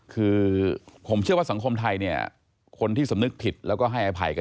คือผมเชื่อว่าสังคมไทยเนี่ยคนที่สำนึกผิดแล้วก็ให้อภัยกัน